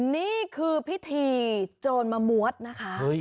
นี่คือพิธีโจรมมวฤทธิ์นะคะ